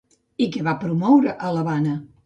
I què va promoure a l'Havana?